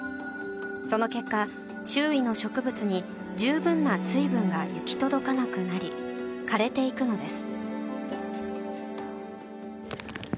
その結果、周囲の植物に十分な水分が行き届かなくなり枯れていくのです。